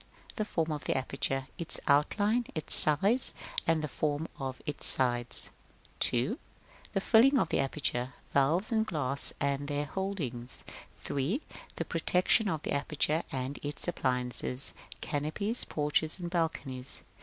The form of the aperture, i.e., its outline, its size, and the forms of its sides. 2. The filling of the aperture, i.e., valves and glass, and their holdings. 3. The protection of the aperture, and its appliances, i.e., canopies, porches, and balconies.